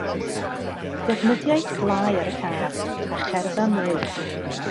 Defnyddia lai ar y car a cherdda mwy.